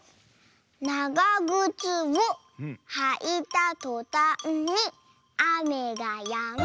「ながぐつをはいたとたんにあめがやむ」。